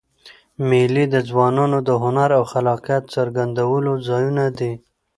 مېلې د ځوانانو د هنر او خلاقیت څرګندولو ځایونه دي.